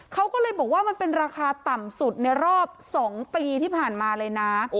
เขาก็เลยบอกว่ามันเป็นราคาต่ำสุดในรอบ๒ปีที่ผ่านมาเลยนะ